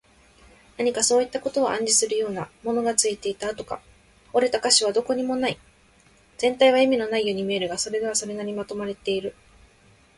何かそういったことを暗示するような、ものがついていた跡とか、折れた個所とかはどこにもない。全体は意味のないように見えるのだが、それはそれなりにまとまっている。